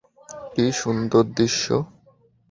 কী সুন্দর দৃশ্য।